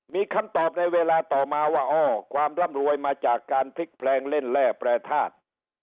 มีคำตอบในเวลาต่อมาว่าอ้อความร่ำรวยมาจากการพลิกแพลงเล่นแร่แปรทาส